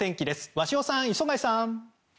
鷲尾さん、磯貝さん！